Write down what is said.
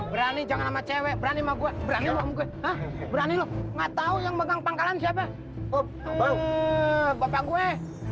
berani jangan sama cewek berani mah gue berani lo nggak tahu yang megang pangkalan siapa bapak gue